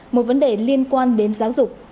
một vấn đề liên quan đến giáo dục